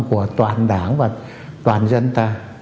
cho toàn đảng và toàn dân ta